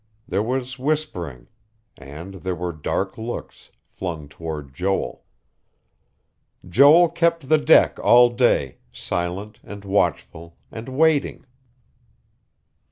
There was whispering; and there were dark looks, flung toward Joel. Joel kept the deck all day, silent, and watchful, and waiting.